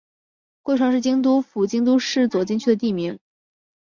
贵船是京都府京都市左京区的地名。